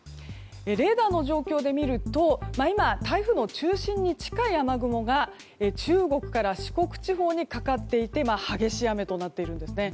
レーダーの状況で見ると今、台風の中心に近い雨雲が中国から四国地方にかかっていて激しい雨となっているんですね。